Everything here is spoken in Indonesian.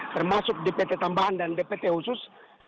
termasuk dpt tambahan dan dpt khusus